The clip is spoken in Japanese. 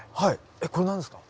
えっこれ何ですか？